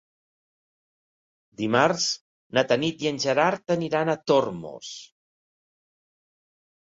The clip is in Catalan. Dimarts na Tanit i en Gerard aniran a Tormos.